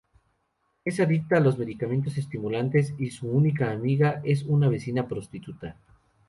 Es adicta a los medicamentos estimulantes y su única amiga es una vecina prostituta.